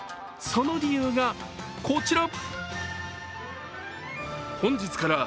その理由が、こちら。